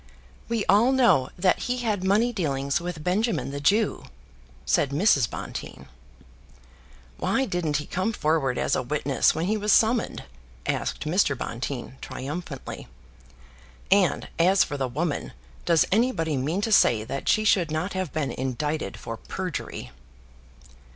"We all know that he had money dealings with Benjamin, the Jew," said Mrs. Bonteen. "Why didn't he come forward as a witness when he was summoned?" asked Mr. Bonteen triumphantly. "And as for the woman, does anybody mean to say that she should not have been indicted for perjury?"